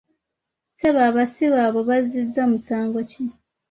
Ssebo abasibe abo bazzizza musango ki?